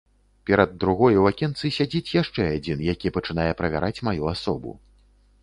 Перад другой у акенцы сядзіць яшчэ адзін, які пачынае правяраць маю асобу.